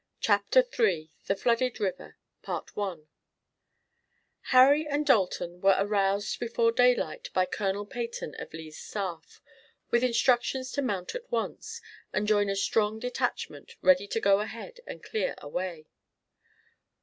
CHAPTER III THE FLOODED RIVER Harry and Dalton were aroused before daylight by Colonel Peyton of Lee's staff, with instructions to mount at once, and join a strong detachment, ready to go ahead and clear a way.